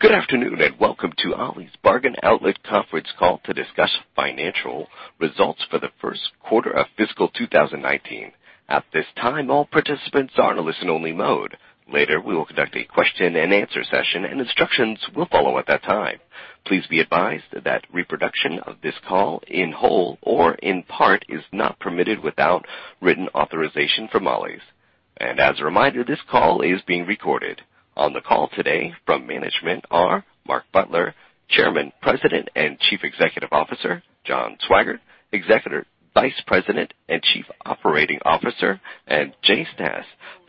Good afternoon, and welcome to Ollie's Bargain Outlet Conference Call to discuss financial results for the first quarter of fiscal 2019. At this time, all participants are in a listen-only mode. Later, we will conduct a question-and-answer session, and instructions will follow at that time. Please be advised that reproduction of this call, in whole or in part, is not permitted without written authorization from Ollie's. As a reminder, this call is being recorded. On the call today from management are Mark Butler, Chairman, President, and Chief Executive Officer, John Swygert, Executive Vice President and Chief Operating Officer, and Jay Stasz,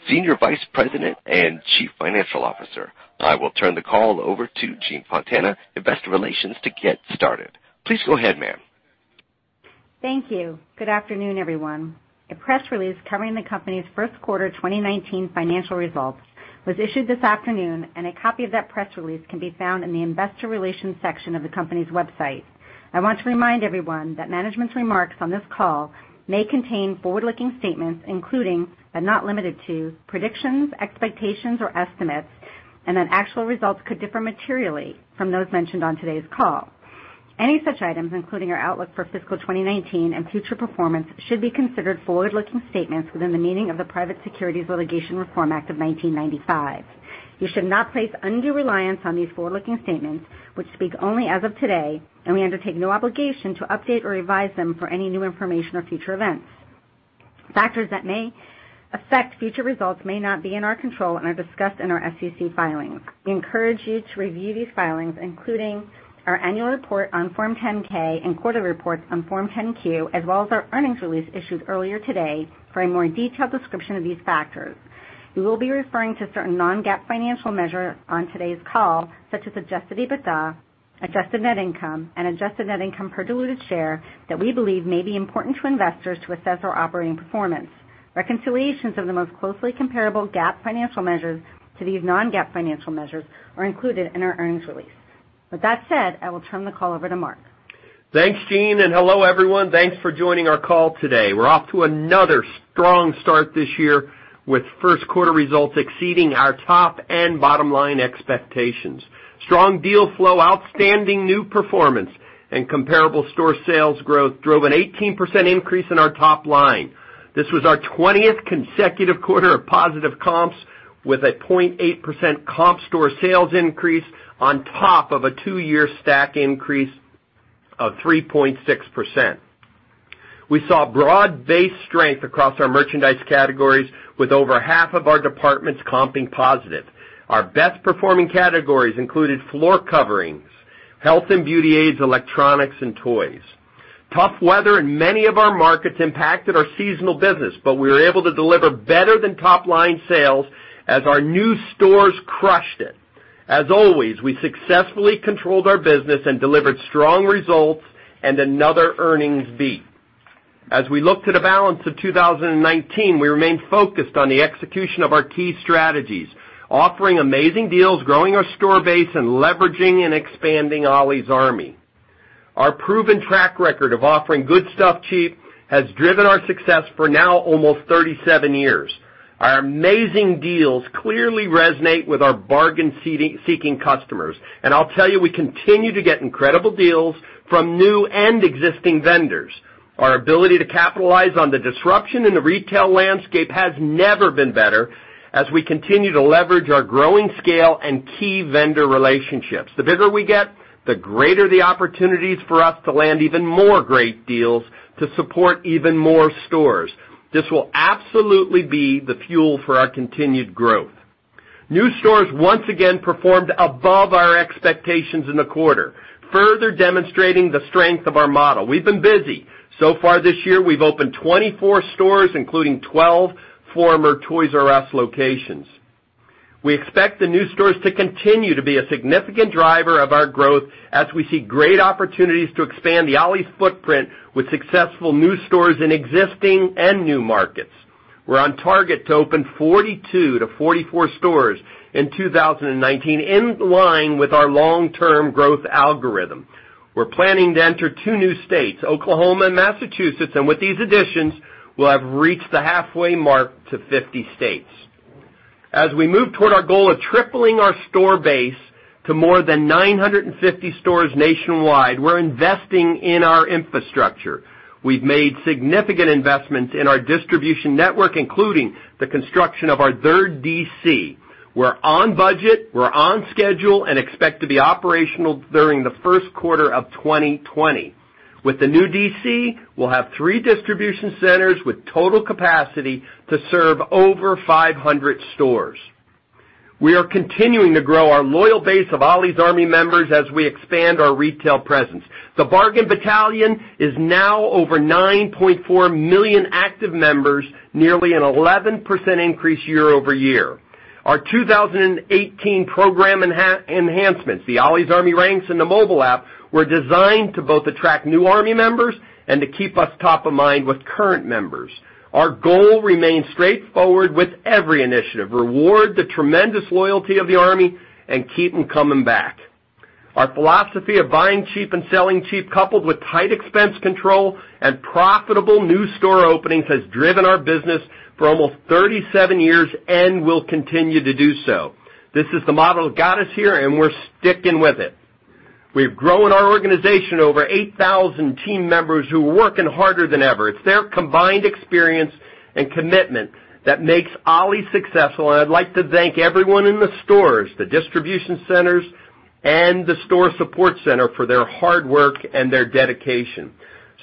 Senior Vice President and Chief Financial Officer. I will turn the call over to Jean Fontana, Investor Relations, to get started. Please go ahead, ma'am. Thank you. Good afternoon, everyone. A press release covering the company's first quarter 2019 financial results was issued this afternoon, and a copy of that press release can be found in the Investor Relations section of the company's website. I want to remind everyone that management's remarks on this call may contain forward-looking statements, including, but not limited to, predictions, expectations, or estimates, and that actual results could differ materially from those mentioned on today's call. Any such items, including our outlook for fiscal 2019 and future performance, should be considered forward-looking statements within the meaning of the Private Securities Litigation Reform Act of 1995. You should not place undue reliance on these forward-looking statements, which speak only as of today, and we undertake no obligation to update or revise them for any new information or future events. Factors that may affect future results may not be in our control and are discussed in our SEC filings. We encourage you to review these filings, including our annual report on Form 10-K and quarterly reports on Form 10-Q, as well as our earnings release issued earlier today for a more detailed description of these factors. We will be referring to certain non-GAAP financial measures on today's call, such as adjusted EBITDA, adjusted net income, and adjusted net income per diluted share, that we believe may be important to investors to assess our operating performance. Reconciliations of the most closely comparable GAAP financial measures to these non-GAAP financial measures are included in our earnings release. With that said, I will turn the call over to Mark. Thanks, Jean, and hello, everyone. Thanks for joining our call today. We're off to another strong start this year, with first quarter results exceeding our top and bottom line expectations. Strong deal flow, outstanding new performance, and comparable store sales growth drove an 18% increase in our top line. This was our 20th consecutive quarter of positive comps, with a 0.8% comp store sales increase on top of a two-year stack increase of 3.6%. We saw broad-based strength across our merchandise categories, with over half of our departments comping positive. Our best-performing categories included floor coverings, health and beauty aids, electronics, and toys. Tough weather in many of our markets impacted our seasonal business, but we were able to deliver better than top-line sales as our new stores crushed it. As always, we successfully controlled our business and delivered strong results and another earnings beat. As we look to the balance of 2019, we remain focused on the execution of our key strategies, offering amazing deals, growing our store base, and leveraging and expanding Ollie's Army. Our proven track record of offering good stuff cheap has driven our success for now almost 37 years. Our amazing deals clearly resonate with our bargain-seeking customers, and I'll tell you, we continue to get incredible deals from new and existing vendors. Our ability to capitalize on the disruption in the retail landscape has never been better, as we continue to leverage our growing scale and key vendor relationships. The bigger we get, the greater the opportunities for us to land even more great deals to support even more stores. This will absolutely be the fuel for our continued growth. New stores once again performed above our expectations in the quarter, further demonstrating the strength of our model. We've been busy. So far this year, we've opened 24 stores, including 12 former Toys 'R' Us locations. We expect the new stores to continue to be a significant driver of our growth as we see great opportunities to expand the Ollie's footprint with successful new stores in existing and new markets. We're on target to open 42-44 stores in 2019, in line with our long-term growth algorithm. We're planning to enter two new states, Oklahoma and Massachusetts, and with these additions, we'll have reached the halfway mark to 50 states. As we move toward our goal of tripling our store base to more than 950 stores nationwide, we're investing in our infrastructure. We've made significant investments in our distribution network, including the construction of our third DC. We're on budget, we're on schedule, and expect to be operational during the first quarter of 2020. With the new DC, we'll have three distribution centers with total capacity to serve over 500 stores. We are continuing to grow our loyal base of Ollie's Army members as we expand our retail presence. The Bargain Battalion is now over 9.4 million active members, nearly an 11% increase year over year. Our 2018 program enhancements, the Ollie's Army Ranks and the mobile app, were designed to both attract new Army members and to keep us top of mind with current members. Our goal remains straightforward with every initiative: reward the tremendous loyalty of the Army and keep them coming back. Our philosophy of buying cheap and selling cheap, coupled with tight expense control and profitable new store openings, has driven our business for almost 37 years and will continue to do so. This is the model that got us here, and we're sticking with it. We've grown our organization over 8,000 team members who are working harder than ever. It's their combined experience and commitment that makes Ollie's successful, and I'd like to thank everyone in the stores, the distribution centers, and the store support center for their hard work and their dedication.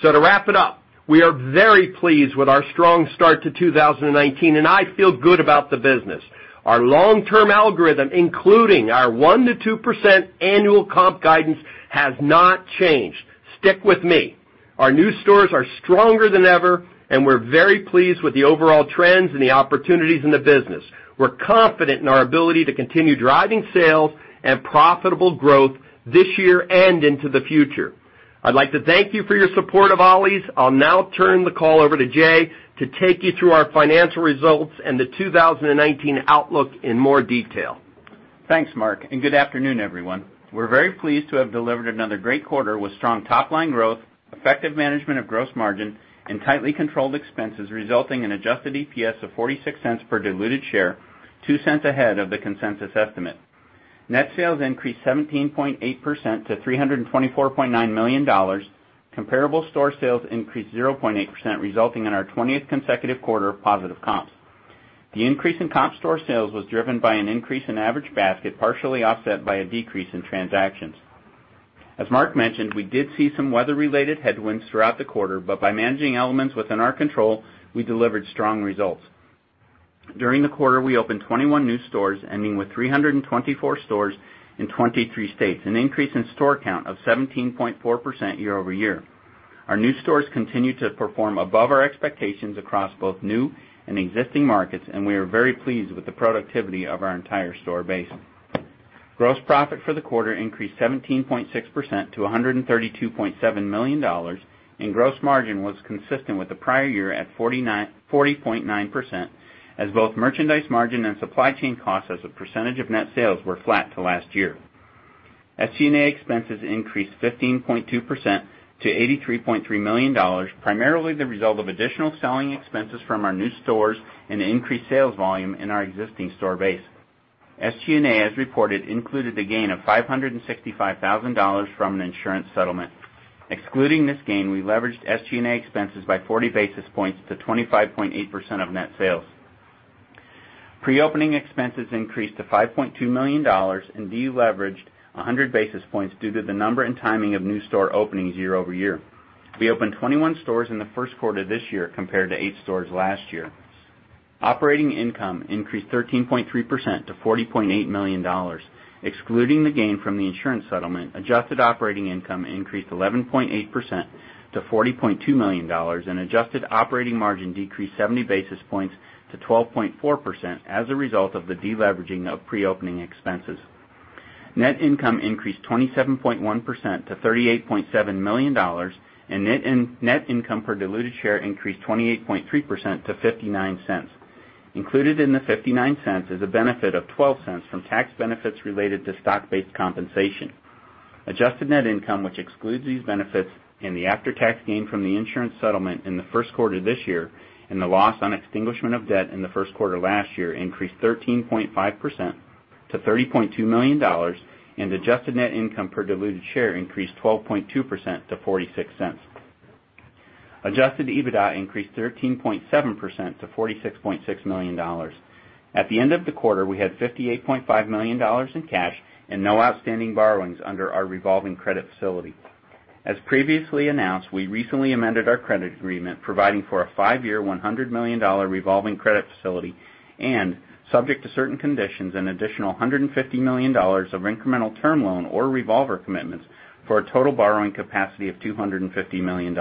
So to wrap it up, we are very pleased with our strong start to 2019, and I feel good about the business. Our long-term algorithm, including our 1%-2% annual comp guidance, has not changed. Stick with me. Our new stores are stronger than ever, and we're very pleased with the overall trends and the opportunities in the business. We're confident in our ability to continue driving sales and profitable growth this year and into the future. I'd like to thank you for your support of Ollie's. I'll now turn the call over to Jay to take you through our financial results and the 2019 outlook in more detail. Thanks, Mark, and good afternoon, everyone. We're very pleased to have delivered another great quarter with strong top line growth, effective management of gross margin, and tightly controlled expenses, resulting in adjusted EPS of $0.46 per diluted share, $0.02 ahead of the consensus estimate. Net sales increased 17.8% to $324.9 million. Comparable store sales increased 0.8%, resulting in our 20th consecutive quarter of positive comps. The increase in comp store sales was driven by an increase in average basket, partially offset by a decrease in transactions. As Mark mentioned, we did see some weather-related headwinds throughout the quarter, but by managing elements within our control, we delivered strong results. During the quarter, we opened 21 new stores, ending with 324 stores in 23 states, an increase in store count of 17.4% year over year. Our new stores continue to perform above our expectations across both new and existing markets, and we are very pleased with the productivity of our entire store base. Gross profit for the quarter increased 17.6% to $132.7 million, and gross margin was consistent with the prior year at 40.9%, as both merchandise margin and supply chain costs as a percentage of net sales were flat to last year. SG&A expenses increased 15.2% to $83.3 million, primarily the result of additional selling expenses from our new stores and increased sales volume in our existing store base. SG&A, as reported, included a gain of $565,000 from an insurance settlement. Excluding this gain, we leveraged SG&A expenses by 40 basis points to 25.8% of net sales. Pre-opening expenses increased to $5.2 million and deleveraged 100 basis points due to the number and timing of new store openings year over year. We opened 21 stores in the first quarter this year compared to 8 stores last year. Operating income increased 13.3% to $40.8 million. Excluding the gain from the insurance settlement, adjusted operating income increased 11.8% to $40.2 million, and adjusted operating margin decreased 70 basis points to 12.4% as a result of the deleveraging of pre-opening expenses. Net income increased 27.1% to $38.7 million, and net income per diluted share increased 28.3% to $0.59. Included in the $0.59 is a benefit of $0.12 from tax benefits related to stock-based compensation. Adjusted net income, which excludes these benefits and the after-tax gain from the insurance settlement in the first quarter this year, and the loss on extinguishment of debt in the first quarter last year, increased 13.5% to $30.2 million, and adjusted net income per diluted share increased 12.2% to $0.46. Adjusted EBITDA increased 13.7% to $46.6 million. At the end of the quarter, we had $58.5 million in cash and no outstanding borrowings under our revolving credit facility. As previously announced, we recently amended our credit agreement, providing for a 5-year, $100 million revolving credit facility, and subject to certain conditions, an additional $150 million of incremental term loan or revolver commitments for a total borrowing capacity of $250 million.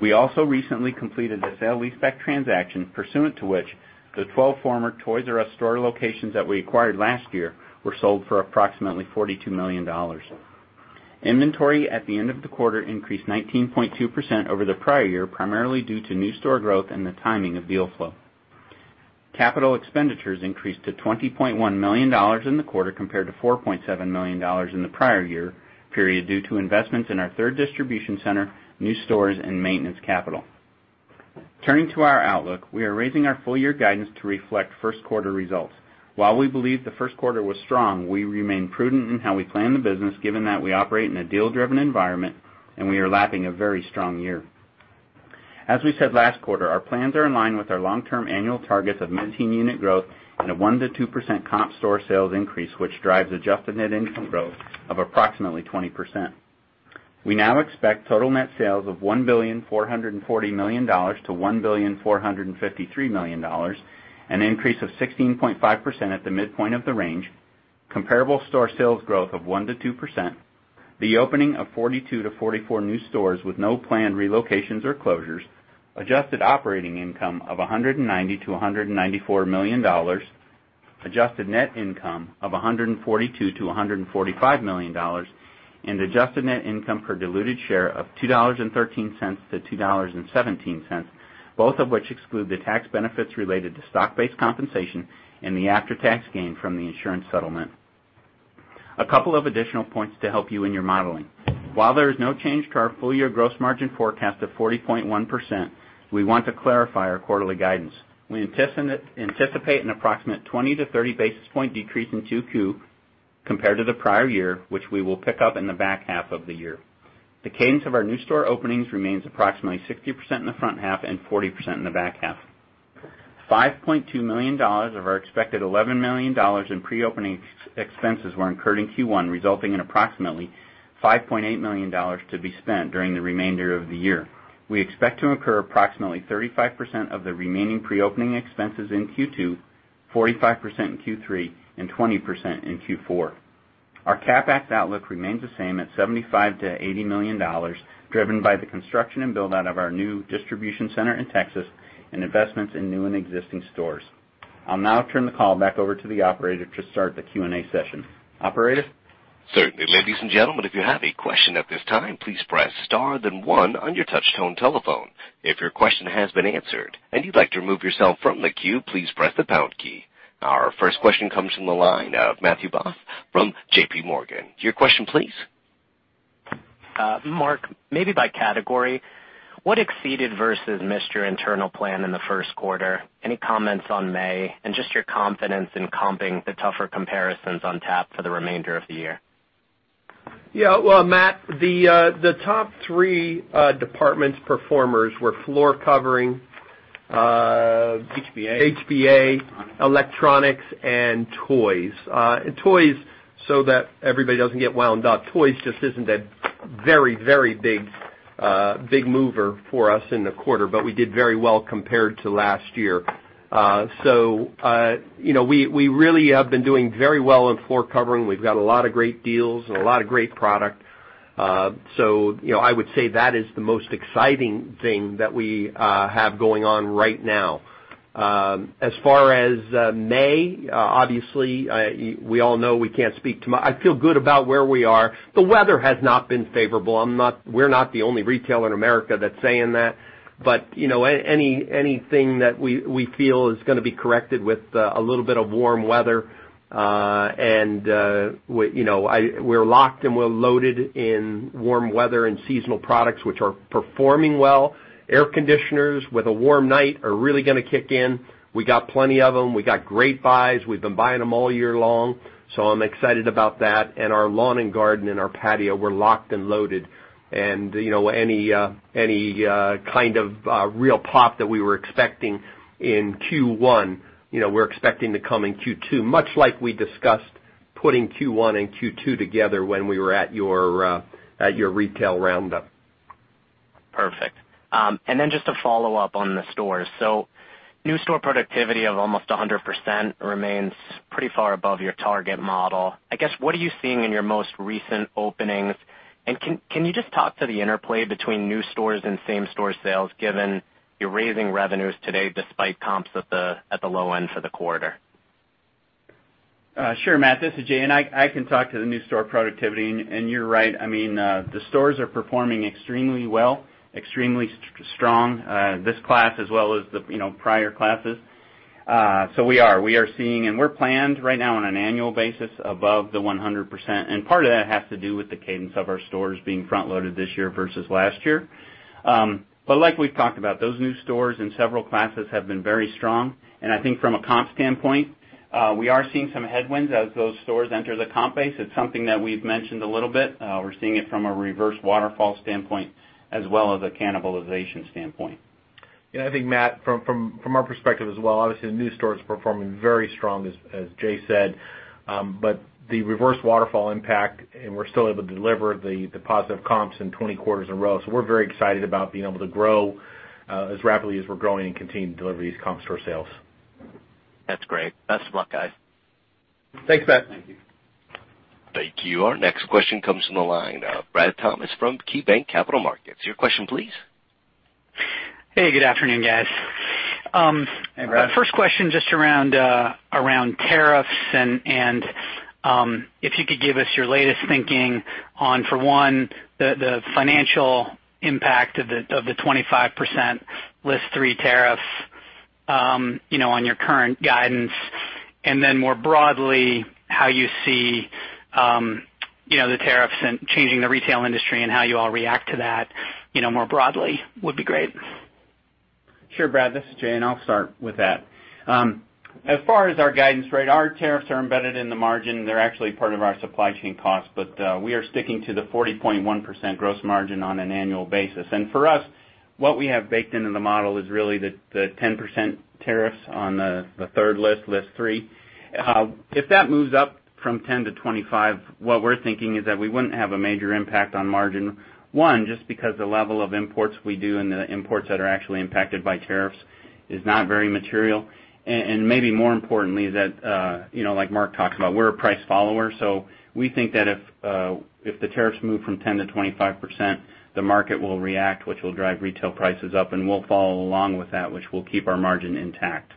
We also recently completed a sale-leaseback transaction, pursuant to which the 12 former Toys "R" Us store locations that we acquired last year were sold for approximately $42 million. Inventory at the end of the quarter increased 19.2% over the prior year, primarily due to new store growth and the timing of deal flow. Capital expenditures increased to $20.1 million in the quarter, compared to $4.7 million in the prior year period, due to investments in our third distribution center, new stores, and maintenance capital. Turning to our outlook, we are raising our full year guidance to reflect first quarter results. While we believe the first quarter was strong, we remain prudent in how we plan the business, given that we operate in a deal-driven environment and we are lapping a very strong year. As we said last quarter, our plans are in line with our long-term annual targets of mid-teen unit growth and a 1%-2% comp store sales increase, which drives adjusted net income growth of approximately 20%. We now expect total net sales of $1.44 billion-$1.453 billion, an increase of 16.5% at the midpoint of the range, comparable store sales growth of 1%-2%, the opening of 42-44 new stores with no planned relocations or closures, adjusted operating income of $190 million-$194 million, adjusted net income of $142 million-$145 million, and adjusted net income per diluted share of $2.13-$2.17, both of which exclude the tax benefits related to stock-based compensation and the after-tax gain from the insurance settlement. A couple of additional points to help you in your modeling. While there is no change to our full-year gross margin forecast of 40.1%, we want to clarify our quarterly guidance. We anticipate an approximate 20-30 basis point decrease in 2Q, compared to the prior year, which we will pick up in the back half of the year. The cadence of our new store openings remains approximately 60% in the front half and 40% in the back half. $5.2 million of our expected $11 million in pre-opening expenses were incurred in Q1, resulting in approximately $5.8 million to be spent during the remainder of the year. We expect to incur approximately 35% of the remaining pre-opening expenses in Q2, 45% in Q3, and 20% in Q4. Our CapEx outlook remains the same at $75 million-$80 million, driven by the construction and build-out of our new distribution center in Texas and investments in new and existing stores. I'll now turn the call back over to the operator to start the Q&A session. Operator? Certainly. Ladies and gentlemen, if you have a question at this time, please press star, then one on your touch-tone telephone. If your question has been answered and you'd like to remove yourself from the queue, please press the pound key. Our first question comes from the line of Matthew Boss from J.P. Morgan. Your question, please. Mark, maybe by category, what exceeded versus missed your internal plan in the first quarter? Any comments on May, and just your confidence in comping the tougher comparisons on tap for the remainder of the year? Yeah, well, Matt, the top three department performers were floor covering. HBA. HBA, electronics, and toys. And toys, so that everybody doesn't get wound up. Toys just isn't a very, very big, big mover for us in the quarter, but we did very well compared to last year. So, you know, we really have been doing very well on floor covering. We've got a lot of great deals and a lot of great product. So, you know, I would say that is the most exciting thing that we have going on right now. As far as May, obviously, we all know we can't speak to... I feel good about where we are. The weather has not been favorable. I'm not. We're not the only retailer in America that's saying that. But, you know, anything that we feel is gonna be corrected with a little bit of warm weather, and we, you know, we're locked and we're loaded in warm weather and seasonal products, which are performing well. Air conditioners with a warm night are really gonna kick in. We got plenty of them. We got great buys. We've been buying them all year long, so I'm excited about that. And our lawn and garden and our patio, we're locked and loaded. And, you know, any kind of real pop that we were expecting in Q1, you know, we're expecting to come in Q2, much like we discussed putting Q1 and Q2 together when we were at your Retail Round-Up. Perfect. And then just to follow up on the stores. So new store productivity of almost 100% remains pretty far above your target model. I guess, what are you seeing in your most recent openings? And can you just talk to the interplay between new stores and same store sales, given you're raising revenues today despite comps at the low end for the quarter? Sure, Matt, this is Jay, and I can talk to the new store productivity. And you're right, I mean, the stores are performing extremely well, extremely strong, this class as well as the, you know, prior classes. So we are. We are seeing, and we're planned right now on an annual basis above the 100%, and part of that has to do with the cadence of our stores being front-loaded this year versus last year. But like we've talked about, those new stores and several classes have been very strong, and I think from a comp standpoint, we are seeing some headwinds as those stores enter the comp base. It's something that we've mentioned a little bit. We're seeing it from a reverse waterfall standpoint as well as a cannibalization standpoint. Yeah, I think, Matt, from our perspective as well, obviously, the new store is performing very strong, as Jay said. But the reverse waterfall impact, and we're still able to deliver the positive comps in 20 quarters in a row. So we're very excited about being able to grow as rapidly as we're growing and continue to deliver these comp store sales. That's great. Best of luck, guys. Thanks, Matt. Thank you. Thank you. Our next question comes from the line of Brad Thomas from KeyBanc Capital Markets. Your question, please. Hey, good afternoon, guys. Hey, Brad. First question, just around tariffs and, if you could give us your latest thinking on, for one, the financial impact of the 25% List Three tariffs, you know, on your current guidance, and then more broadly, how you see the tariffs changing the retail industry and how you all react to that, you know, more broadly, would be great? Sure, Brad, this is Jay, and I'll start with that. As far as our guidance, right, our tariffs are embedded in the margin. They're actually part of our supply chain costs, but we are sticking to the 40.1% gross margin on an annual basis. For us, what we have baked into the model is really the 10% tariffs on the third list, List Three. If that moves up from 10%-25%, what we're thinking is that we wouldn't have a major impact on margin. One, just because the level of imports we do and the imports that are actually impacted by tariffs is not very material. And maybe more importantly is that, you know, like Mark talked about, we're a price follower, so we think that if, if the tariffs move from 10%-25%, the market will react, which will drive retail prices up, and we'll follow along with that, which will keep our margin intact....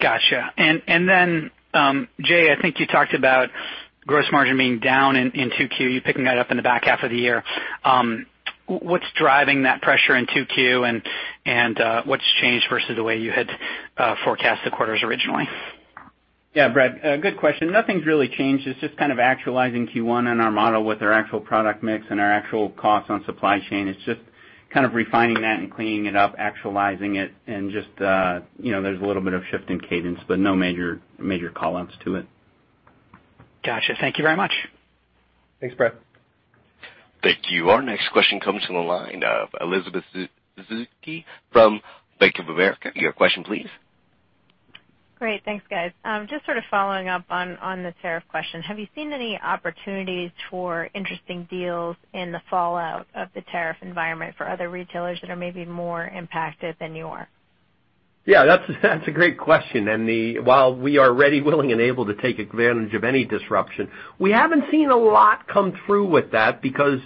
Gotcha. And then, Jay, I think you talked about gross margin being down in Q2, you picking that up in the back half of the year. What's driving that pressure in Q2, and what's changed versus the way you had forecast the quarters originally? Yeah, Brad, a good question. Nothing's really changed. It's just kind of actualizing Q1 and our model with our actual product mix and our actual costs on supply chain. It's just kind of refining that and cleaning it up, actualizing it, and just, you know, there's a little bit of shift in cadence, but no major, major call-outs to it. Gotcha. Thank you very much. Thanks, Brad. Thank you. Our next question comes from the line of Elizabeth Suzuki from Bank of America. Your question, please. Great. Thanks, guys. Just sort of following up on the tariff question. Have you seen any opportunities for interesting deals in the fallout of the tariff environment for other retailers that are maybe more impacted than you are? Yeah, that's, that's a great question. And while we are ready, willing, and able to take advantage of any disruption, we haven't seen a lot come through with that because,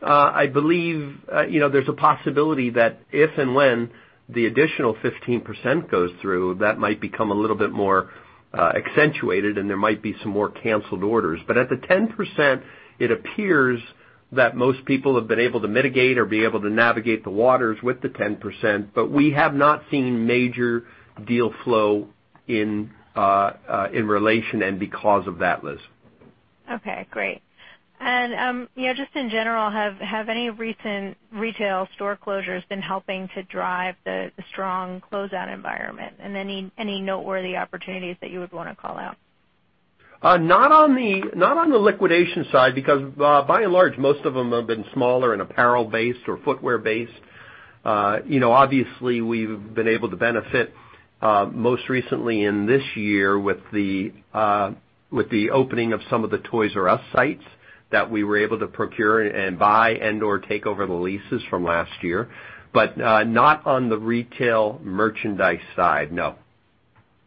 I believe, you know, there's a possibility that if and when the additional 15% goes through, that might become a little bit more accentuated, and there might be some more canceled orders. But at the 10%, it appears that most people have been able to mitigate or be able to navigate the waters with the 10%, but we have not seen major deal flow in, in relation and because of that, Liz. Okay, great. And yeah, just in general, have any recent retail store closures been helping to drive the strong closeout environment? And any noteworthy opportunities that you would want to call out? Not on the liquidation side, because, by and large, most of them have been smaller and apparel-based or footwear-based. You know, obviously, we've been able to benefit, most recently in this year with the opening of some of the Toys "R" Us sites that we were able to procure and buy and, or take over the leases from last year. But, not on the retail merchandise side, no.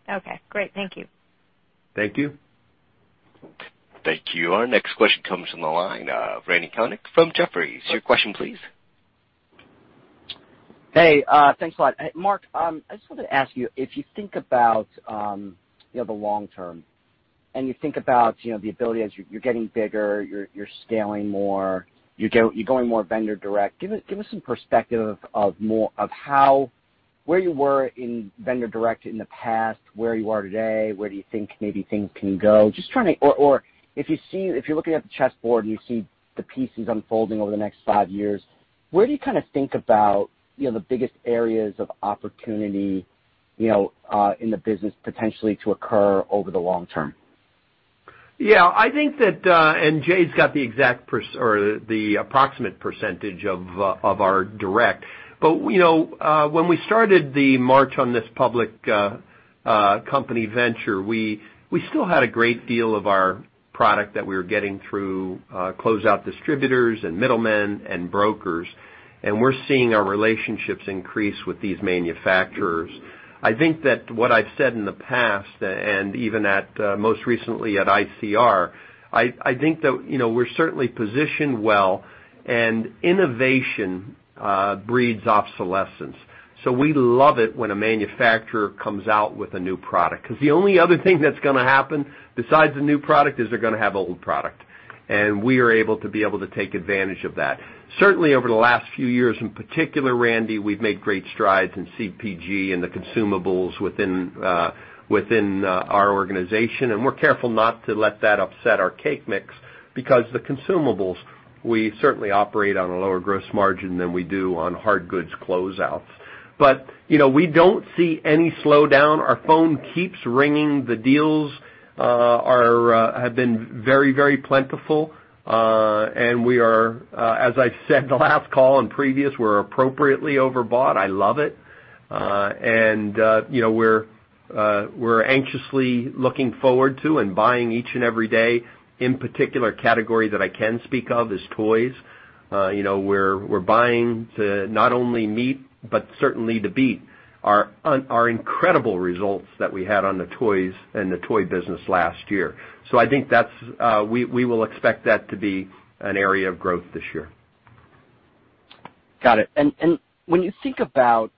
Okay, great. Thank you. Thank you. Thank you. Our next question comes from the line, Randy Konik from Jefferies. Your question, please. Hey, thanks a lot. Mark, I just wanted to ask you, if you think about, you know, the long term, and you think about, you know, the ability as you're getting bigger, you're scaling more, you're going more vendor direct. Give us some perspective of how, where you were in vendor direct in the past, where you are today, where do you think maybe things can go? Just trying to... Or, if you're looking at the chessboard, and you see the pieces unfolding over the next five years, where do you kind of think about, you know, the biggest areas of opportunity, you know, in the business potentially to occur over the long term? Yeah, I think that, and Jay's got the exact or the approximate percentage of our direct. But, you know, when we started the march on this public company venture, we still had a great deal of our product that we were getting through closeout distributors and middlemen and brokers, and we're seeing our relationships increase with these manufacturers. I think that what I've said in the past, and even at, most recently at ICR, I think that, you know, we're certainly positioned well, and innovation breeds obsolescence. So we love it when a manufacturer comes out with a new product, because the only other thing that's gonna happen besides the new product, is they're gonna have old product, and we are able to be able to take advantage of that. Certainly, over the last few years, in particular, Randy, we've made great strides in CPG and the consumables within our organization, and we're careful not to let that upset our cake mix, because the consumables, we certainly operate on a lower gross margin than we do on hard goods closeouts. But, you know, we don't see any slowdown. Our phone keeps ringing. The deals have been very, very plentiful. And we are, as I've said, the last call and previous, we're appropriately overbought. I love it. And, you know, we're, we're anxiously looking forward to and buying each and every day. In particular, category that I can speak of is toys. You know, we're, we're buying to not only meet, but certainly to beat our our incredible results that we had on the toys and the toy business last year. So I think that's, we will expect that to be an area of growth this year. Got it. And when you think about,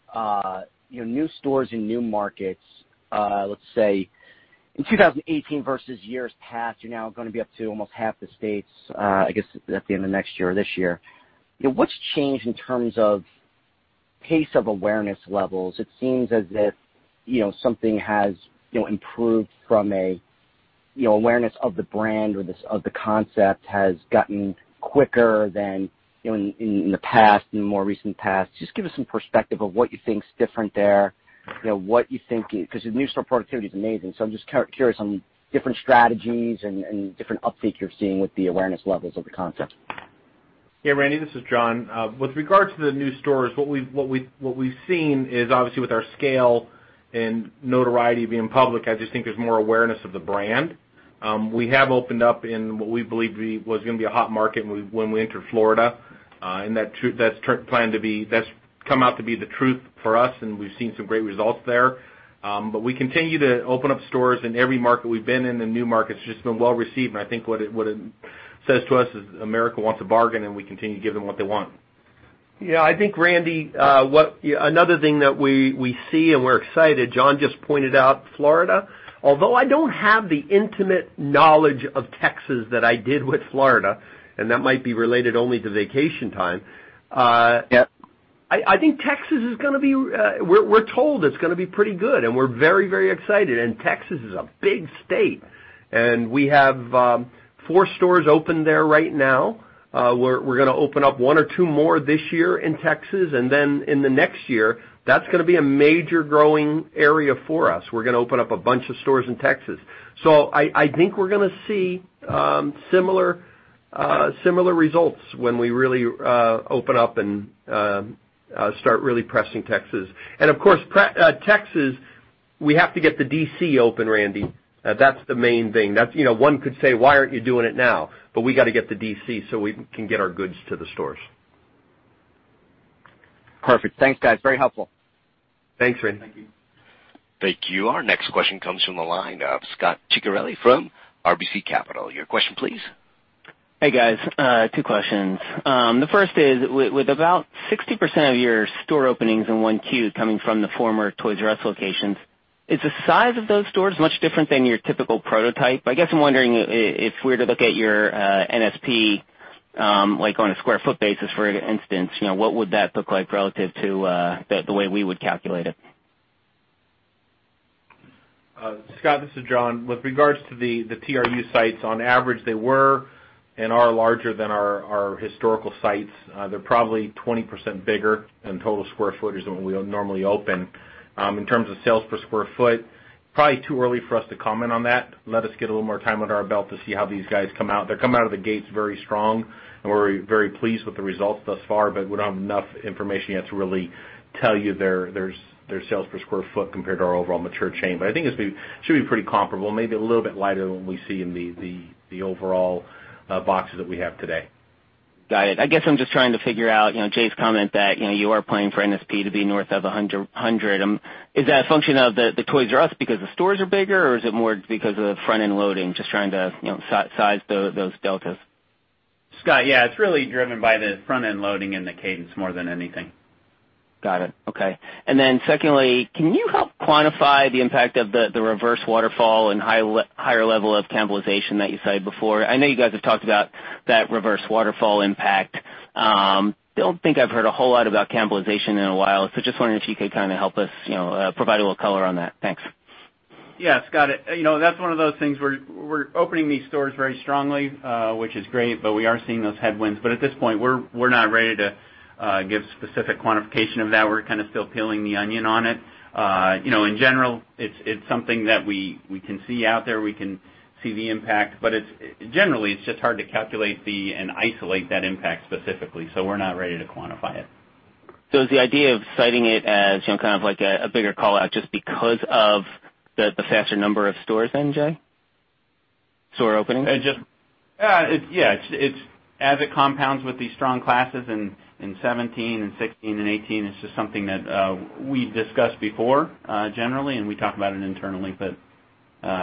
you know, new stores in new markets, let's say in 2018 versus years past, you're now gonna be up to almost half the states, I guess, at the end of next year or this year. You know, what's changed in terms of pace of awareness levels? It seems as if, you know, something has, you know, improved from a, you know, awareness of the brand or this of the concept has gotten quicker than, you know, in the past, in the more recent past. Just give us some perspective of what you think is different there, you know, what you think, because the new store productivity is amazing, so I'm just curious on different strategies and different uptake you're seeing with the awareness levels of the concept. Yeah, Randy, this is John. With regards to the new stores, what we've seen is obviously with our scale and notoriety being public, I just think there's more awareness of the brand. We have opened up in what we believe was gonna be a hot market when we entered Florida. And that's turned out to be the truth for us, and we've seen some great results there. But we continue to open up stores in every market we've been in. The new market's just been well received, and I think what it says to us is America wants a bargain, and we continue to give them what they want.... Yeah, I think, Randy, another thing that we see and we're excited. John just pointed out Florida. Although I don't have the intimate knowledge of Texas that I did with Florida, and that might be related only to vacation time. Yep. I think Texas is gonna be, we're told it's gonna be pretty good, and we're very, very excited, and Texas is a big state! And we have four stores open there right now. We're gonna open up one or two more this year in Texas, and then in the next year, that's gonna be a major growing area for us. We're gonna open up a bunch of stores in Texas. So I think we're gonna see similar results when we really open up and start really pressing Texas. And of course, pre-Texas, we have to get the DC open, Randy. That's the main thing. That's, you know, one could say, "Why aren't you doing it now?" But we gotta get the DC so we can get our goods to the stores. Perfect. Thanks, guys. Very helpful. Thanks, Randy. Thank you. Our next question comes from the line of Scot Ciccarelli from RBC Capital. Your question, please. Hey, guys. Two questions. The first is: with about 60% of your store openings in Q1 coming from the former Toys "R" Us locations, is the size of those stores much different than your typical prototype? I guess I'm wondering if we're to look at your NSP, like, on a sq ft basis, for instance, you know, what would that look like relative to the way we would calculate it? Scott, this is John. With regards to the TRU sites, on average, they were and are larger than our historical sites. They're probably 20% bigger in total square footage than we would normally open. In terms of sales per square foot, probably too early for us to comment on that. Let us get a little more time under our belt to see how these guys come out. They're coming out of the gates very strong, and we're very pleased with the results thus far, but we don't have enough information yet to really tell you their sales per square foot compared to our overall mature chain. But I think it should be pretty comparable, maybe a little bit lighter than what we see in the overall boxes that we have today. Got it. I guess I'm just trying to figure out, you know, Jay's comment that, you know, you are planning for NSP to be north of 100. Is that a function of the Toys "R" Us because the stores are bigger, or is it more because of the front-end loading? Just trying to, you know, size those deltas. Scott, yeah, it's really driven by the front-end loading and the cadence more than anything. Got it. Okay. And then secondly, can you help quantify the impact of the reverse waterfall and higher level of cannibalization that you cited before? I know you guys have talked about that reverse waterfall impact. Don't think I've heard a whole lot about cannibalization in a while, so just wondering if you could kind of help us, you know, provide a little color on that. Thanks. Yeah, Scott, you know, that's one of those things we're opening these stores very strongly, which is great, but we are seeing those headwinds. But at this point, we're not ready to give specific quantification of that. We're kind of still peeling the onion on it. You know, in general, it's something that we can see out there, we can see the impact, but it's... Generally, it's just hard to calculate and isolate that impact specifically, so we're not ready to quantify it. So is the idea of citing it as, you know, kind of like a bigger call-out just because of the faster number of stores then, Jay? Store openings? Just, yeah, it's as it compounds with the strong comps in 2017 and 2016 and 2018, it's just something that we've discussed before, generally, and we talk about it internally, but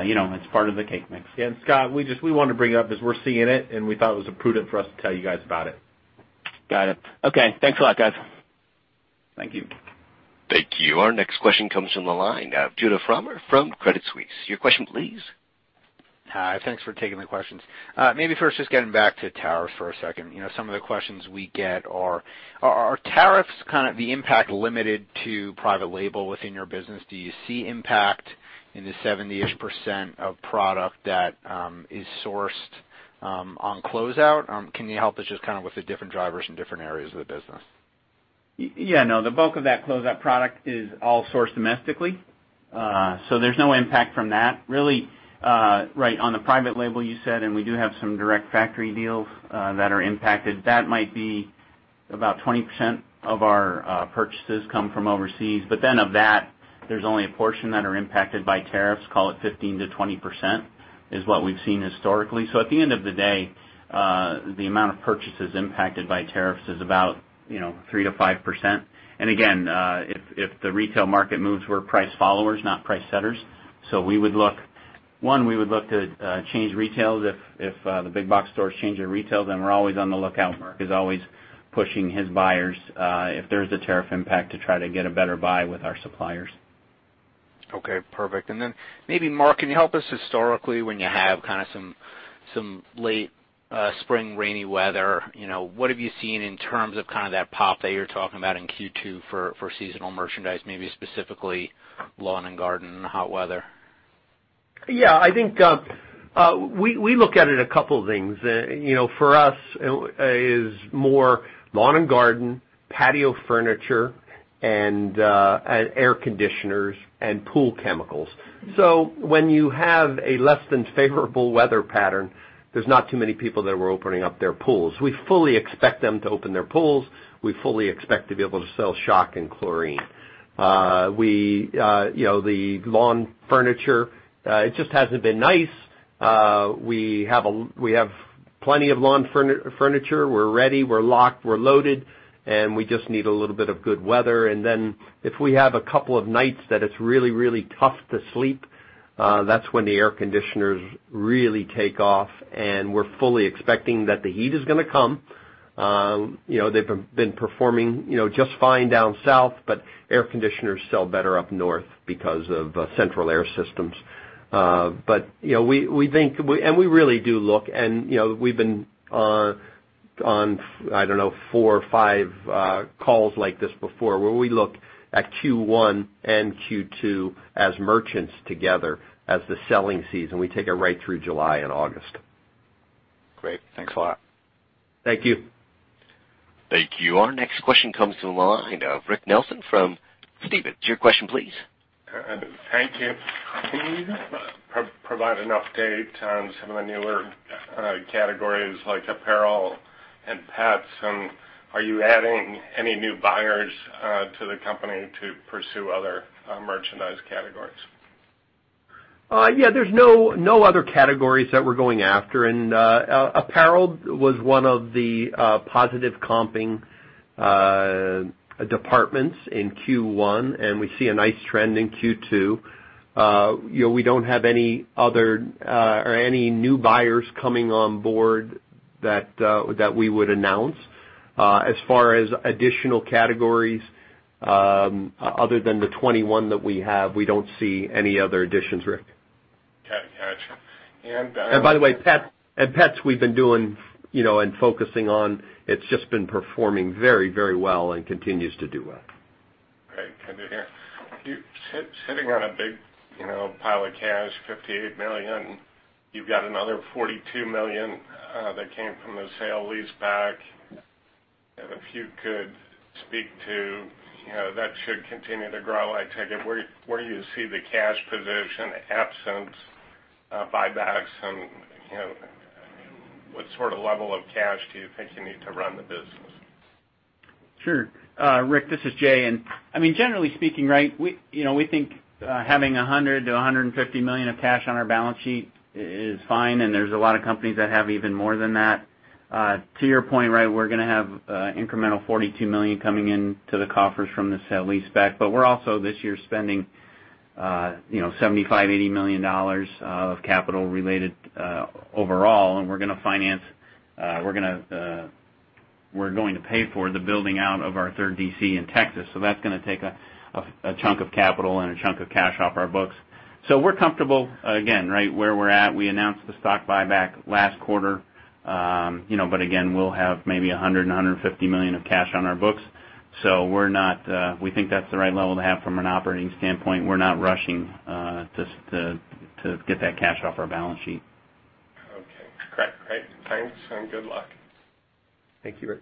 you know, it's part of the mix. And Scott, we just, we wanted to bring it up because we're seeing it, and we thought it was prudent for us to tell you guys about it. Got it. Okay. Thanks a lot, guys. Thank you. Thank you. Our next question comes from the line of Judah Frommer from Credit Suisse. Your question, please. Hi, thanks for taking the questions. Maybe first, just getting back to tariffs for a second. You know, some of the questions we get are tariffs kind of the impact limited to private label within your business? Do you see impact in the 70-ish% of product that is sourced on closeout? Can you help us just kind of with the different drivers in different areas of the business? Yeah, no, the bulk of that closeout product is all sourced domestically, so there's no impact from that. Really, right on the private label you said, and we do have some direct factory deals that are impacted, that might be about 20% of our purchases come from overseas. But then of that, there's only a portion that are impacted by tariffs, call it 15%-20%, is what we've seen historically. So at the end of the day, the amount of purchases impacted by tariffs is about, you know, 3%-5%. And again, if the retail market moves, we're price followers, not price setters. So we would look... One, we would look to change retails if the big box stores change their retails, then we're always on the lookout. Mark is always pushing his buyers, if there is a tariff impact, to try to get a better buy with our suppliers. Okay, perfect. And then maybe, Mark, can you help us historically, when you have kind of some late spring rainy weather, you know, what have you seen in terms of kind of that pop that you're talking about in Q2 for seasonal merchandise, maybe specifically lawn and garden and hot weather? Yeah, I think, we look at it a couple of things. You know, for us, it is more lawn and garden, patio furniture, and air conditioners and pool chemicals. So when you have a less than favorable weather pattern, there's not too many people that were opening up their pools. We fully expect them to open their pools. We fully expect to be able to sell shock and chlorine. You know, the lawn furniture, it just hasn't been nice. We have plenty of lawn furniture. We're ready, we're locked, we're loaded, and we just need a little bit of good weather. And then if we have a couple of nights that it's really, really tough to sleep, that's when the air conditioners really take off, and we're fully expecting that the heat is gonna come. You know, they've been performing just fine down south, but air conditioners sell better up north because of central air systems. But, you know, we think—and we really do look, and, you know, we've been on, I don't know, 4 or 5 calls like this before, where we look at Q1 and Q2 as merchants together as the selling season. We take it right through July and August. Great. Thanks a lot. Thank you. Thank you. Our next question comes from the line of Rick Nelson from Stephens. Your question, please. Thank you. Can you provide an update on some of the newer categories like apparel and pets, and are you adding any new buyers to the company to pursue other merchandise categories? Yeah, there's no other categories that we're going after, and apparel was one of the positive comping departments in Q1, and we see a nice trend in Q2. You know, we don't have any other or any new buyers coming on board that that we would announce. As far as additional categories, other than the 21 that we have, we don't see any other additions, Rick. Gotcha. And,- By the way, pets we've been doing, you know, and focusing on, it's just been performing very, very well and continues to do well. Great to hear. You're sitting on a big, you know, pile of cash, $58 million. You've got another $42 million that came from the sale-leaseback. If you could speak to, you know, that should continue to grow, I take it. Where, where do you see the cash position absent buybacks? And, you know, what sort of level of cash do you think you need to run the business? Sure. Rick, this is Jay, and I mean, generally speaking, right, we, you know, we think having $100-$150 million of cash on our balance sheet is fine, and there's a lot of companies that have even more than that. To your point, right, we're gonna have incremental $42 million coming into the coffers from the sale-leaseback, but we're also, this year, spending, you know, $75-$80 million of capital related overall, and we're going to pay for the building out of our third DC in Texas. So that's gonna take a chunk of capital and a chunk of cash off our books. So we're comfortable, again, right, where we're at. We announced the stock buyback last quarter. You know, but again, we'll have maybe $100-$150 million of cash on our books, so we're not. We think that's the right level to have from an operating standpoint. We're not rushing just to get that cash off our balance sheet. Okay. Great. Great. Thanks, and good luck. Thank you, Rick.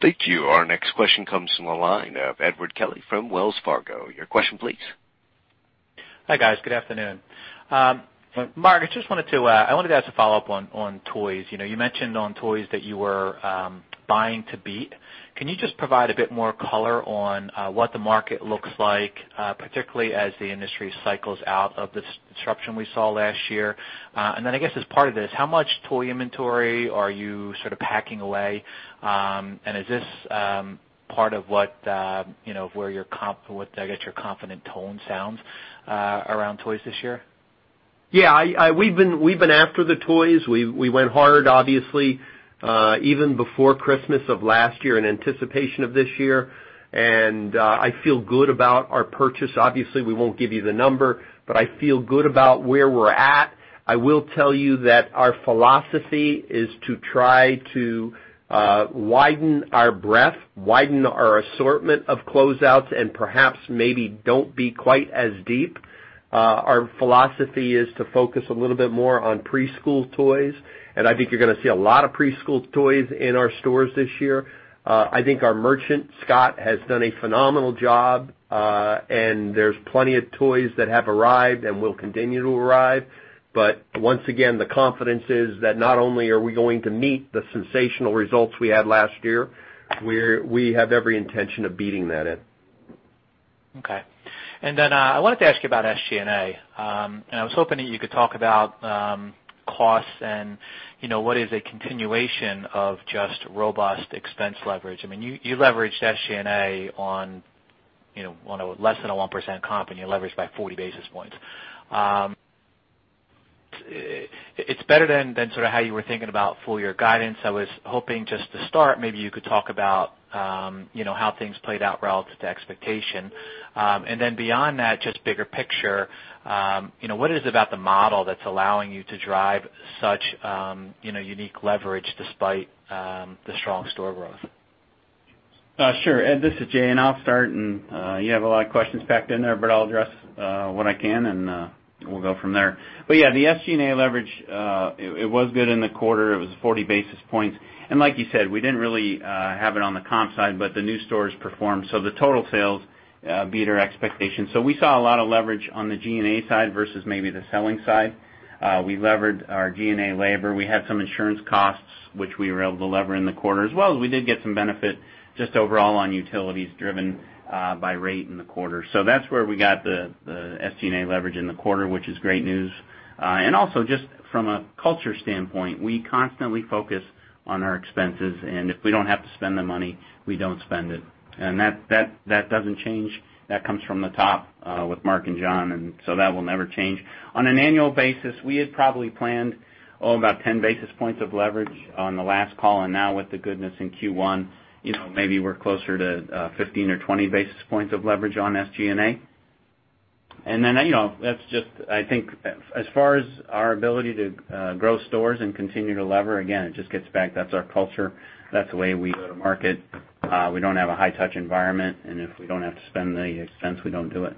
Thank you. Our next question comes from the line of Edward Kelly from Wells Fargo. Your question, please. Hi, guys. Good afternoon. Mark, I just wanted to, I wanted to ask a follow-up on, on toys. You know, you mentioned on toys that you were, buying to beat. Can you just provide a bit more color on, what the market looks like, particularly as the industry cycles out of the disruption we saw last year? And then I guess, as part of this, how much toy inventory are you sort of packing away? And is this, part of what, you know, where your conf-- what, I guess, your confident tone sounds, around toys this year? Yeah, we've been after the toys. We went hard, obviously, even before Christmas of last year in anticipation of this year, and I feel good about our purchase. Obviously, we won't give you the number, but I feel good about where we're at. I will tell you that our philosophy is to try to widen our breadth, widen our assortment of closeouts, and perhaps maybe don't be quite as deep. Our philosophy is to focus a little bit more on preschool toys, and I think you're gonna see a lot of preschool toys in our stores this year. I think our merchant, Scott, has done a phenomenal job, and there's plenty of toys that have arrived and will continue to arrive. But once again, the confidence is that not only are we going to meet the sensational results we had last year, we have every intention of beating that, Ed. Okay. And then I wanted to ask you about SG&A. And I was hoping that you could talk about costs and, you know, what is a continuation of just robust expense leverage. I mean, you leveraged SG&A on, you know, on a less than 1% comp, and you leveraged by 40 basis points. It's better than sort of how you were thinking about full year guidance. I was hoping just to start, maybe you could talk about, you know, how things played out relative to expectation. And then beyond that, just bigger picture, you know, what is it about the model that's allowing you to drive such, you know, unique leverage despite the strong store growth? Sure. Ed, this is Jay, and I'll start, and you have a lot of questions packed in there, but I'll address what I can, and we'll go from there. But yeah, the SG&A leverage, it was good in the quarter. It was 40 basis points. And like you said, we didn't really have it on the comp side, but the new stores performed, so the total sales beat our expectations. So we saw a lot of leverage on the G&A side versus maybe the selling side. We leveraged our G&A labor. We had some insurance costs, which we were able to lever in the quarter, as well as we did get some benefit just overall on utilities, driven by rate in the quarter. So that's where we got the SG&A leverage in the quarter, which is great news. and also, just from a culture standpoint, we constantly focus on our expenses, and if we don't have to spend the money, we don't spend it. And that, that, that doesn't change. That comes from the top, with Mark and John, and so that will never change. On an annual basis, we had probably planned, about 10 basis points of leverage on the last call, and now with the goodness in Q1, you know, maybe we're closer to, 15 or 20 basis points of leverage on SG&A. And then, you know, that's just, I think, as far as our ability to, grow stores and continue to lever, again, it just gets back, that's our culture. That's the way we go to market. We don't have a high touch environment, and if we don't have to spend the expense, we don't do it.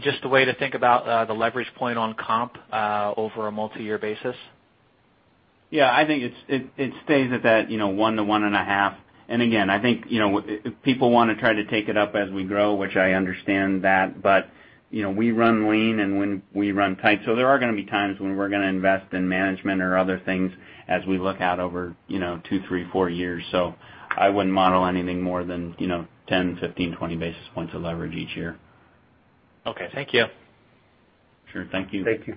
Just the way to think about, the leverage point on comp, over a multi-year basis? Yeah, I think it stays at that, you know, 1-1.5. And again, I think, you know, people wanna try to take it up as we grow, which I understand that, but, you know, we run lean, and when we run tight. So there are gonna be times when we're gonna invest in management or other things as we look out over, you know, 2, 3, 4 years. So I wouldn't model anything more than, you know, 10, 15, 20 basis points of leverage each year. Okay, thank you. Sure. Thank you. Thank you.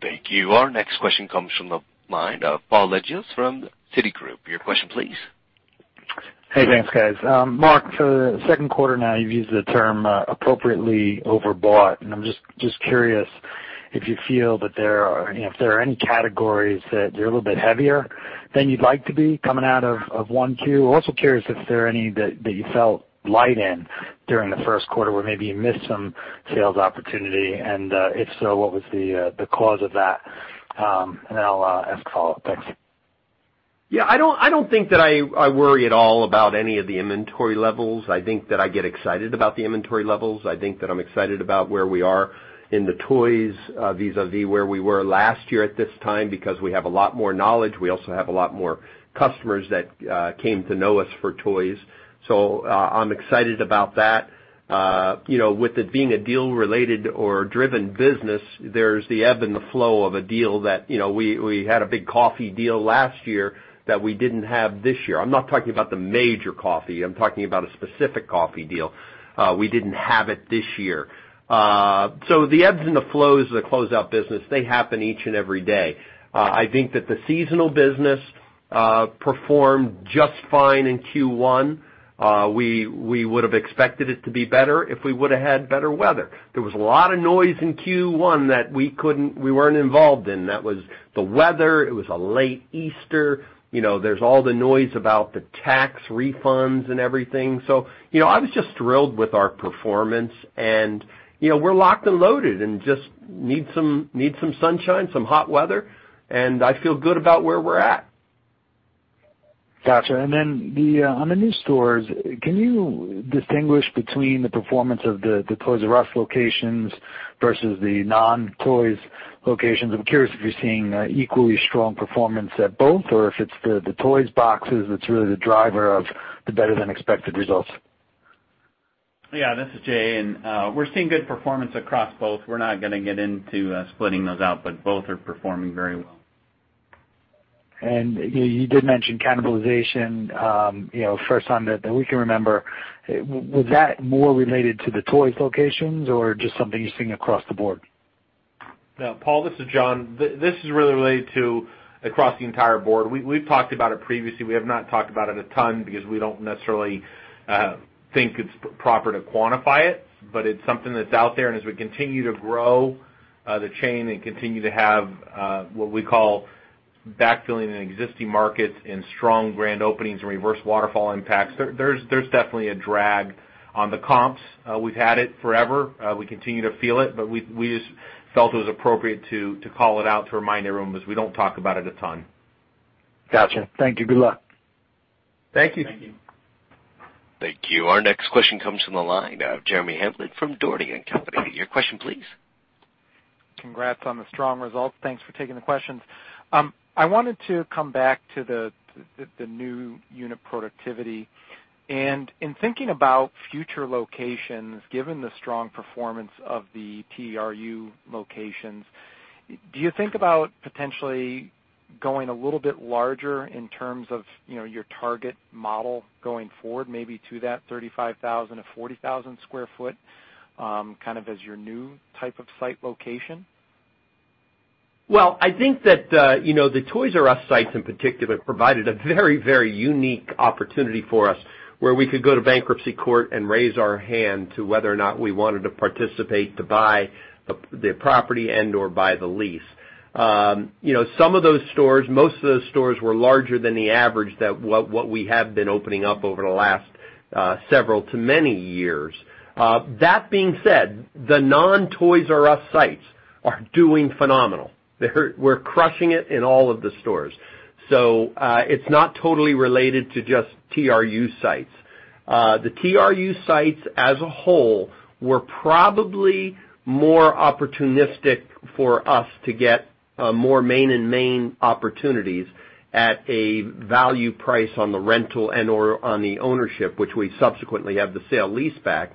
Thank you. Our next question comes from the line of Paul Lejuez from Citigroup. Your question, please. Hey, thanks, guys. Mark, for the second quarter now, you've used the term appropriately overbought, and I'm just curious if you feel that there are any categories that you're a little bit heavier than you'd like to be coming out of Q1? I'm also curious if there are any that you felt light in during the first quarter, where maybe you missed some sales opportunity, and if so, what was the cause of that? And I'll ask follow-up. Thanks. Yeah, I don't think that I worry at all about any of the inventory levels. I think that I get excited about the inventory levels. I think that I'm excited about where we are in the toys vis-à-vis where we were last year at this time, because we have a lot more knowledge. We also have a lot more customers that came to know us for toys. So, I'm excited about that. You know, with it being a deal-related or driven business, there's the ebb and the flow of a deal that, you know, we had a big coffee deal last year that we didn't have this year. I'm not talking about the major coffee. I'm talking about a specific coffee deal. We didn't have it this year. So the ebbs and the flows of the closeout business, they happen each and every day. I think that the seasonal business performed just fine in Q1. We would've expected it to be better if we would've had better weather. There was a lot of noise in Q1 that we weren't involved in. That was the weather. It was a late Easter. You know, there's all the noise about the tax refunds and everything. So, you know, I was just thrilled with our performance and, you know, we're locked and loaded and just need some, need some sunshine, some hot weather, and I feel good about where we're at. Gotcha. And then, on the new stores, can you distinguish between the performance of the Toys "R" Us locations versus the non-toys locations? I'm curious if you're seeing equally strong performance at both, or if it's the toys boxes that's really the driver of the better than expected results? Yeah, this is Jay, and we're seeing good performance across both. We're not gonna get into splitting those out, but both are performing very well. You, you did mention cannibalization, you know, first time that we can remember. Was that more related to the toys locations or just something you're seeing across the board? Paul, this is John. This is really related to across the entire board. We, we've talked about it previously. We have not talked about it a ton because we don't necessarily think it's proper to quantify it, but it's something that's out there. And as we continue to grow the chain and continue to have what we call backfilling in existing markets and strong grand openings and Reverse Waterfall impacts, there's definitely a drag on the comps. We've had it forever. We continue to feel it, but we just felt it was appropriate to call it out, to remind everyone, because we don't talk about it a ton. Gotcha. Thank you. Good luck. Thank you. Thank you. Thank you. Our next question comes from the line of Jeremy Hamblin from Dougherty & Company. Your question, please. Congrats on the strong results. Thanks for taking the questions. I wanted to come back to the new unit productivity. In thinking about future locations, given the strong performance of the TRU locations, do you think about potentially going a little bit larger in terms of, you know, your target model going forward, maybe to that 35,000-40,000 sq ft kind of as your new type of site location? Well, I think that, you know, the Toys "R" Us sites, in particular, provided a very, very unique opportunity for us, where we could go to bankruptcy court and raise our hand to whether or not we wanted to participate to buy the, the property and/or buy the lease. You know, some of those stores, most of those stores were larger than the average that what, what we have been opening up over the last, several to many years. That being said, the non-Toys "R" Us sites are doing phenomenal. They're, we're crushing it in all of the stores. So, it's not totally related to just TRU sites. The TRU sites, as a whole, were probably more opportunistic for us to get more Main and Main opportunities at a value price on the rental and/or on the ownership, which we subsequently have the sale-leaseback.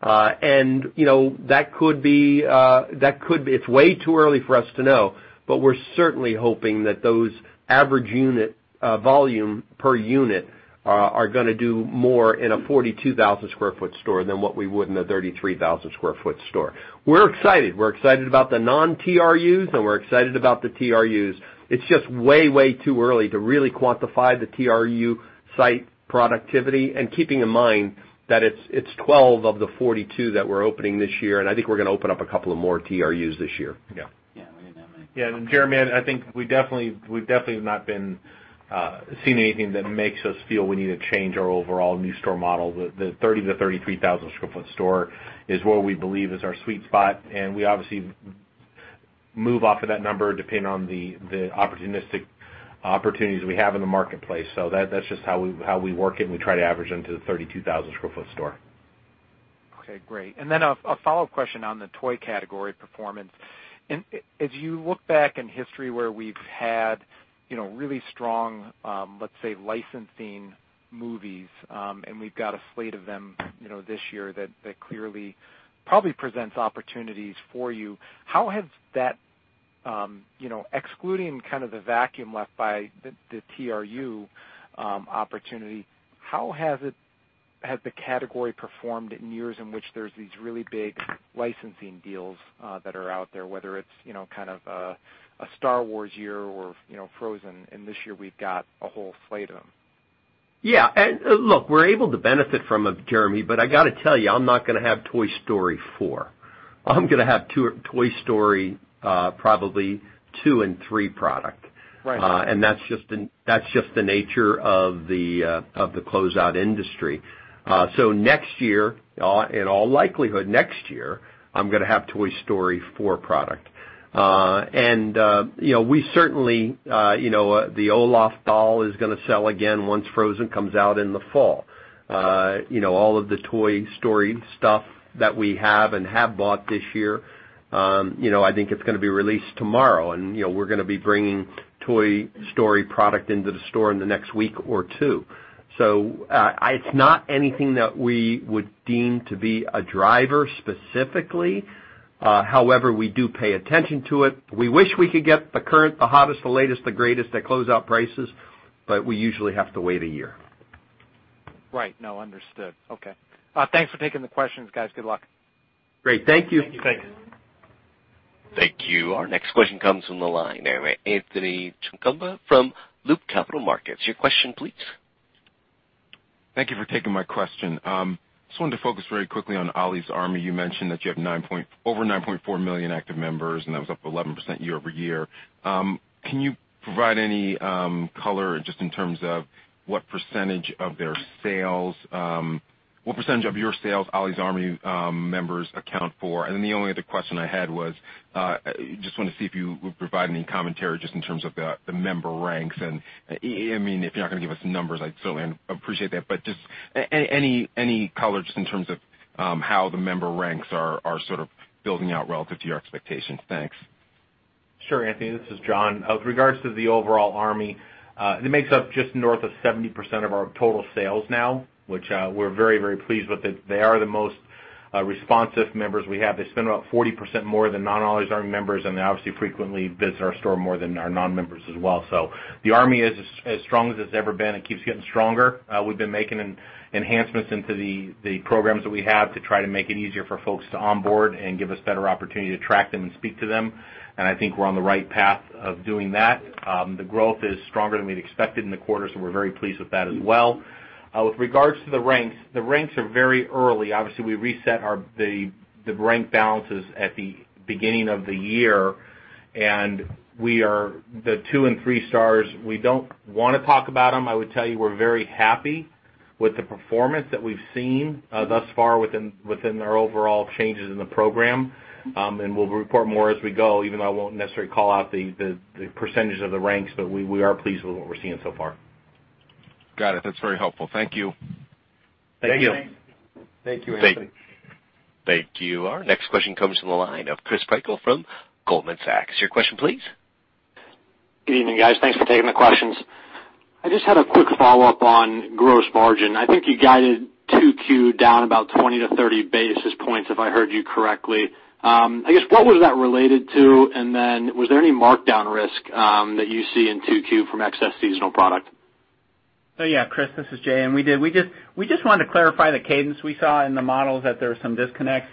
And, you know, that could be, that could be—it's way too early for us to know, but we're certainly hoping that those average unit volume per unit are gonna do more in a 42,000 sq ft store than what we would in a 33,000 sq ft store. We're excited. We're excited about the non-TRUs, and we're excited about the TRUs. It's just way, way too early to really quantify the TRU site productivity, and keeping in mind that it's 12 of the 42 that we're opening this year, and I think we're gonna open up a couple of more TRUs this year. Yeah. Yeah, we do.... Yeah, and Jeremy, I think we definitely, we've definitely not been seeing anything that makes us feel we need to change our overall new store model. The thirty to thirty-three thousand square foot store is what we believe is our sweet spot, and we obviously move off of that number depending on the opportunistic opportunities we have in the marketplace. So that's just how we work it, and we try to average into the thirty-two thousand square foot store. Okay, great. And then a follow-up question on the toy category performance. And as you look back in history where we've had, you know, really strong, let's say, licensing movies, and we've got a slate of them, you know, this year, that clearly probably presents opportunities for you, how has that, you know, excluding kind of the vacuum left by the TRU opportunity, has the category performed in years in which there's these really big licensing deals that are out there, whether it's, you know, kind of a Star Wars year or, you know, Frozen, and this year we've got a whole slate of them? Yeah. And, look, we're able to benefit from it, Jeremy, but I gotta tell you, I'm not gonna have Toy Story 4. I'm gonna have 2--Toy Story, probably 2 and 3 product. Right. And that's just the nature of the closeout industry. So next year, in all likelihood, I'm gonna have Toy Story 4 product. You know, we certainly, you know, the Olaf doll is gonna sell again once Frozen comes out in the fall. You know, all of the Toy Story stuff that we have and have bought this year, you know, I think it's gonna be released tomorrow. You know, we're gonna be bringing Toy Story product into the store in the next week or two. So it's not anything that we would deem to be a driver specifically. However, we do pay attention to it. We wish we could get the current, the hottest, the latest, the greatest at closeout prices, but we usually have to wait a year. Right. No, understood. Okay. Thanks for taking the questions, guys. Good luck. Great. Thank you. Thank you. Thank you. Our next question comes from the line of Anthony Chukumba from Loop Capital Markets. Your question please. Thank you for taking my question. Just wanted to focus very quickly on Ollie's Army. You mentioned that you have over 9.4 million active members, and that was up 11% year-over-year. Can you provide any color just in terms of what percentage of their sales, what percentage of your sales Ollie's Army members account for? And then the only other question I had was, just wanna see if you would provide any commentary just in terms of the member ranks. And I mean, if you're not gonna give us numbers, I'd certainly appreciate that, but just any color just in terms of how the member ranks are sort of building out relative to your expectations. Thanks. Sure, Anthony, this is John. With regards to the overall Army, it makes up just north of 70% of our total sales now, which we're very, very pleased with it. They are the most responsive members we have. They spend about 40% more than non-Ollie's Army members, and they obviously frequently visit our store more than our non-members as well. So the Army is as strong as it's ever been and keeps getting stronger. We've been making enhancements into the programs that we have to try to make it easier for folks to onboard and give us better opportunity to track them and speak to them. And I think we're on the right path of doing that. The growth is stronger than we'd expected in the quarter, so we're very pleased with that as well. With regards to the ranks, the ranks are very early. Obviously, we reset our rank balances at the beginning of the year, and we are. The two and three stars, we don't wanna talk about them. I would tell you we're very happy with the performance that we've seen thus far within our overall changes in the program. And we'll report more as we go, even though I won't necessarily call out the percentage of the ranks, but we are pleased with what we're seeing so far. Got it. That's very helpful. Thank you. Thank you. Thank you, Anthony. Thank you. Our next question comes from the line of Chris Prykull from Goldman Sachs. Your question please. Good evening, guys. Thanks for taking the questions. I just had a quick follow-up on gross margin. I think you guided 2Q down about 20-30 basis points, if I heard you correctly. I guess, what was that related to? And then was there any markdown risk, that you see in 2Q from excess seasonal product? Yeah, Chris, this is Jay, and we did. We just, we just wanted to clarify the cadence we saw in the models that there were some disconnects.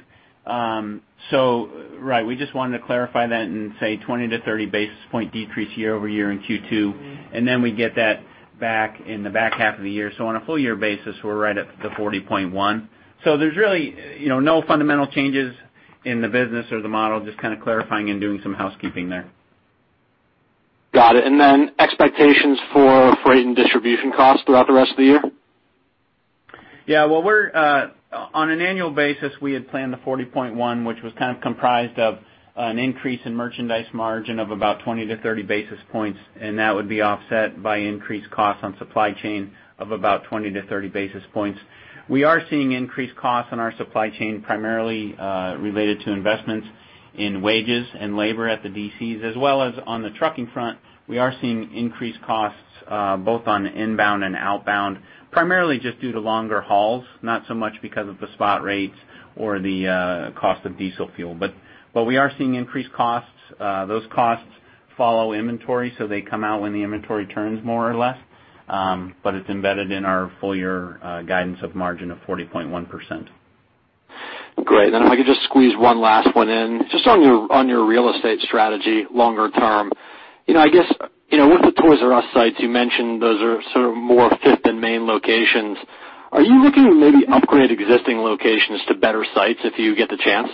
So right, we just wanted to clarify that and say 20-30 basis point decrease year-over-year in Q2, and then we get that back in the back half of the year. So on a full year basis, we're right at the 40.1. So there's really, you know, no fundamental changes in the business or the model, just kind of clarifying and doing some housekeeping there. Got it. And then expectations for freight and distribution costs throughout the rest of the year? Yeah, well, we're on an annual basis, we had planned the 40.1, which was kind of comprised of an increase in merchandise margin of about 20-30 basis points, and that would be offset by increased costs on supply chain of about 20-30 basis points. We are seeing increased costs on our supply chain, primarily related to investments in wages and labor at the DCs, as well as on the trucking front, we are seeing increased costs both on inbound and outbound, primarily just due to longer hauls, not so much because of the spot rates or the cost of diesel fuel. But, but we are seeing increased costs. Those costs follow inventory, so they come out when the inventory turns more or less. But it's embedded in our full year guidance of margin of 40.1%. Great. Then if I could just squeeze one last one in. Just on your real estate strategy, longer term, you know, I guess, you know, with the Toys "R" Us sites, you mentioned those are sort of more Fifth and Main locations. Are you looking to maybe upgrade existing locations to better sites if you get the chance?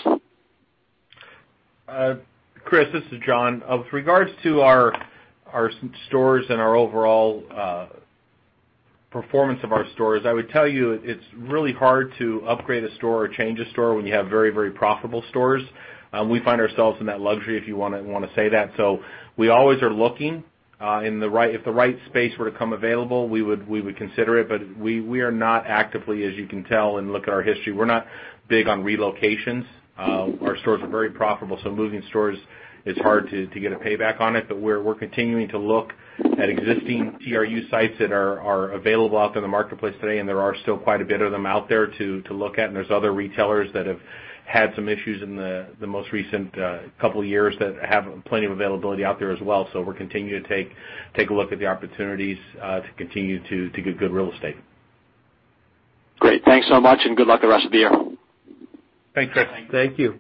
Chris, this is John. With regards to our stores and our overall performance of our stores, I would tell you, it's really hard to upgrade a store or change a store when you have very, very profitable stores. We find ourselves in that luxury, if you wanna say that. So we always are looking in the right—if the right space were to come available, we would consider it, but we are not actively, as you can tell and look at our history, we're not big on relocations. Our stores are very profitable, so moving stores, it's hard to get a payback on it. But we're continuing to look at existing TRU sites that are available out in the marketplace today, and there are still quite a bit of them out there to look at. And there's other retailers that have had some issues in the most recent couple of years that have plenty of availability out there as well. So we're continuing to take a look at the opportunities to continue to get good real estate. Great. Thanks so much, and good luck the rest of the year. Thanks, Chris. Thank you.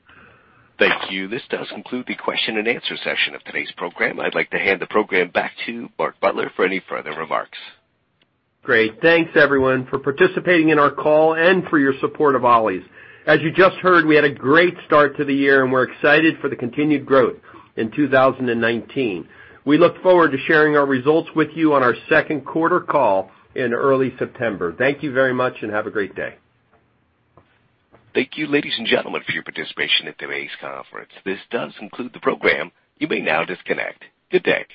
Thank you. This does conclude the question and answer session of today's program. I'd like to hand the program back to Mark Butler for any further remarks. Great. Thanks, everyone, for participating in our call and for your support of Ollie's. As you just heard, we had a great start to the year, and we're excited for the continued growth in 2019. We look forward to sharing our results with you on our second quarter call in early September. Thank you very much, and have a great day. Thank you, ladies and gentlemen, for your participation in today's conference. This does conclude the program. You may now disconnect. Good day.